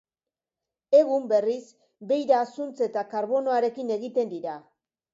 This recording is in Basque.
Egun, berriz, beira zuntz eta karbonoarekin egiten dira.